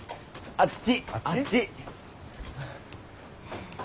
あっち？